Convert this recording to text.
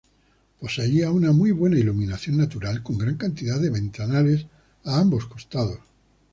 Poseía una muy buena iluminación natural con gran cantidad de ventanales a ambos costados.